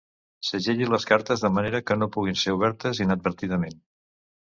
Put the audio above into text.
Segelli les cartes de manera que no puguin ser obertes inadvertidament.